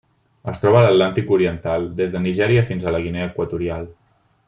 Es troba a l'Atlàntic oriental: des de Nigèria fins a la Guinea Equatorial.